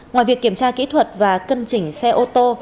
ngoài việc kiểm tra kỹ thuật và cân chỉnh xe ô tô